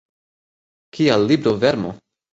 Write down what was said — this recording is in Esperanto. Kia librovermo!